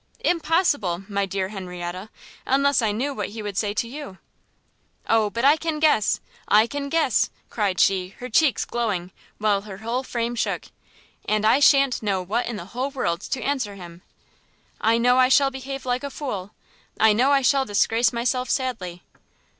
"Impossible, my dear Henrietta, unless I knew what he would say to you!" "O but I can guess, I can guess!" cried she, her cheeks glowing, while her whole frame shook, "and I sha'n't know what in the whole world to answer him! I know I shall behave like a fool, I know I shall disgrace myself sadly!"